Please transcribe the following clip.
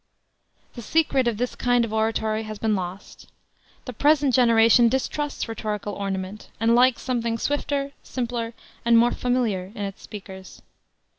The secret of this kind of oratory has been lost. The present generation distrusts rhetorical ornament, and likes something swifter, simpler, and more familiar in its speakers.